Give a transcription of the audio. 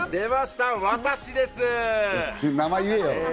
名前、言えよ！